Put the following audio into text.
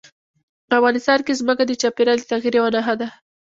په افغانستان کې ځمکه د چاپېریال د تغیر یوه نښه ده.